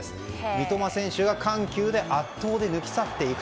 三笘選手が緩急で圧倒して抜き去っていく。